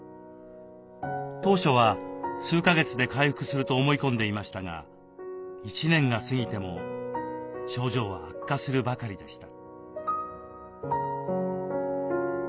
当初は数か月で回復すると思い込んでいましたが１年が過ぎても症状は悪化するばかりでした。